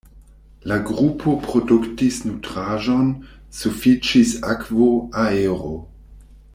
La grupo produktis nutraĵon, sufiĉis akvo, aero.